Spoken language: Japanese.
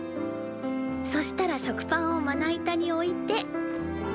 そしたら食パンをまな板に置いて。